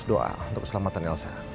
doa untuk keselamatan elsa